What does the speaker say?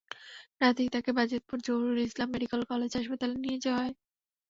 রাতেই তাঁকে Bajitpur Zahurul Islam medical college হাসপাতালে নিয়ে যাওয়া হয়।